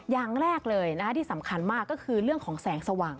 อย่างแรกเลยที่สำคัญมากก็คือเรื่องของแสงสว่าง